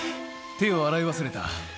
手を洗い忘れた。